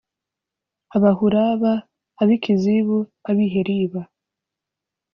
aba Ahulaba, aba Akizibu, ab’i Heliba,